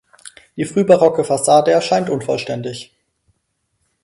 Die frühbarocke Fassade erscheint unvollständig.